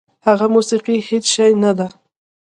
هغه موسیقي هېڅ شی نه ده.